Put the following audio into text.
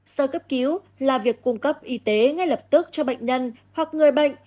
sơ cấp cứu là việc cung cấp y tế ngay lập tức cho bệnh nhân hoặc người bệnh